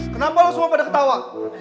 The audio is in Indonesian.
kenapa lo semua pada ketawa